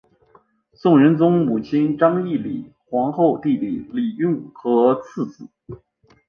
宋仁宗母亲章懿李皇后弟弟李用和次子。